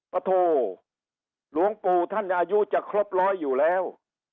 โถหลวงปู่ท่านอายุจะครบร้อยอยู่แล้ว